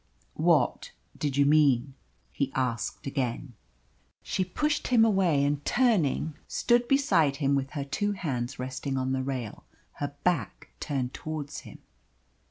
"What did you mean?" he asked again. She pushed him away, and turning stood beside him with her two hands resting on the rail, her back turned towards him.